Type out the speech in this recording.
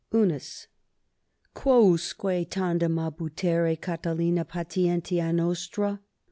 _ =1.= Quo usque tandem abutere, Catilina, patientia nostra?